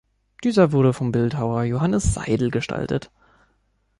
Dieser wurde vom Bildhauer Johannes Seidl gestaltet.